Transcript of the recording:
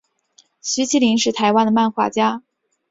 徐麒麟是台湾的漫画家。